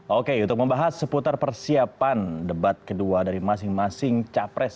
oke untuk membahas seputar persiapan debat kedua dari masing masing capres